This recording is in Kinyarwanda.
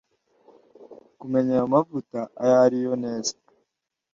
kumenya ayo mavuta ayo ariyo neza,